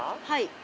はい。